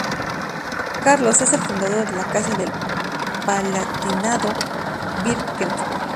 Carlos es el fundador de la Casa del Palatinado-Birkenfeld.